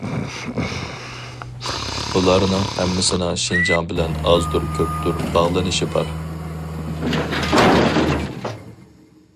بۇلارنىڭ ھەممىسىنىڭ شىنجاڭ بىلەن ئازدۇر كۆپتۇر باغلىنىش بار.